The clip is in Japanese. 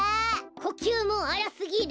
こきゅうもあらすぎる！